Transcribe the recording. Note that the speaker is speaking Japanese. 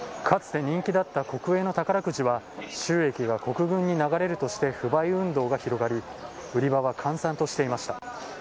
かつて人気だった国営の宝くじは、収益が国軍に流れるとして、不買運動が広がり、売り場は閑散としていました。